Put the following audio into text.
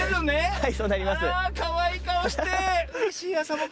はい。